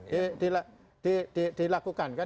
jadi paling tidak itu upaya